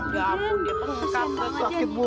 gapun dia kangen banget sakit bu